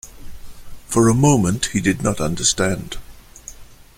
For a moment he did not understand.